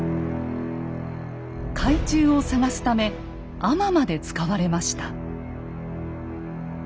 海中を捜すため海人まで使われました。